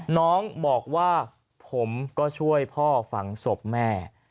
น้องบอกว่าผมก็ช่วยพ่อฝังศพแม่